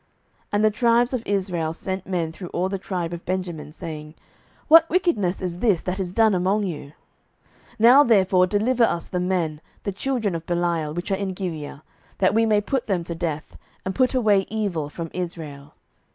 07:020:012 And the tribes of Israel sent men through all the tribe of Benjamin, saying, What wickedness is this that is done among you? 07:020:013 Now therefore deliver us the men, the children of Belial, which are in Gibeah, that we may put them to death, and put away evil from Israel.